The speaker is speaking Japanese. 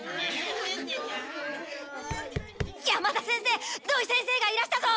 山田先生土井先生がいらしたぞ！